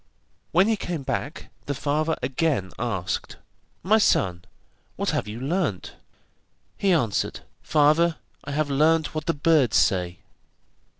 When he came back the father again asked: 'My son, what have you learnt?' He answered: 'Father, I have learnt what the birds say.